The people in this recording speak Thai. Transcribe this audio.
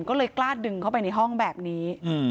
ก็เลยกล้าดึงเข้าไปในห้องแบบนี้